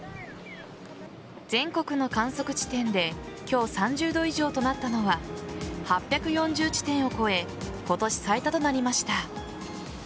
全国の観測地点で今日、３０度以上となったのは８４０地点を超え今年最多となりました。